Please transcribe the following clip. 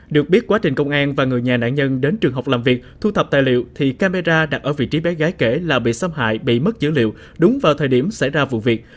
được biết quá trình công an và người nhà nạn nhân đến trường học làm việc thu thập tài liệu thì camera đặt ở vị trí bé gái kể là bị xâm hại bị mất dữ liệu đúng vào thời điểm xảy ra vụ việc